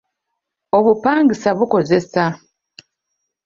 Obupangisa bukozesa.